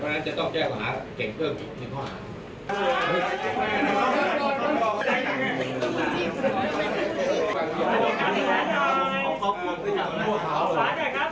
เพราะฉะนั้นจะต้องแจ้งข้อหาเก่งเพิ่มอีกหนึ่งข้อหา